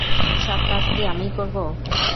সব কাজ কি আমিই করবো?